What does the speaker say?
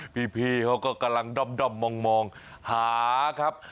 พี่เขาก็กำลังด้อมมองหาครับ